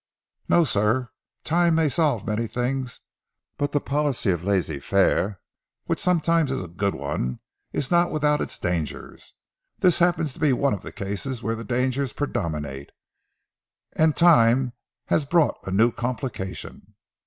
"No, sir. Time may solve many things, but the policy of laissez faire, whilst sometimes a good one, is not without its dangers! This happens to be one of the cases where the dangers predominate, and time has but brought a new complication."